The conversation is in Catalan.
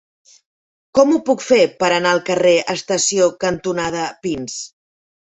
Com ho puc fer per anar al carrer Estació cantonada Pins?